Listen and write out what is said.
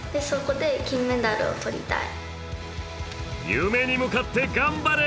夢に向かって頑張れ！